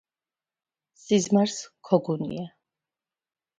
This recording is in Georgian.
სიზმარს ქოგუნია